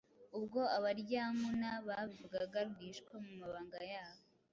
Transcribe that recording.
Ubwo Abaryankuna babivugaga rwihishwa mu mabanga yabo,